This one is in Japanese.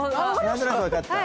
何となく分かった。